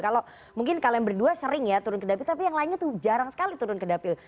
kalau mungkin kalian berdua sering ya turun ke dapil tapi yang lainnya tuh jarang sekali turun ke dapil